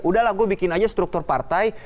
udahlah gue bikin aja struktur partai